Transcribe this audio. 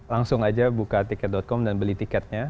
langsung aja buka tiket com dan beli tiketnya